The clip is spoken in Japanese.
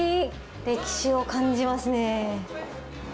歴史を感じますね。